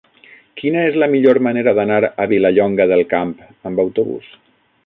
Quina és la millor manera d'anar a Vilallonga del Camp amb autobús?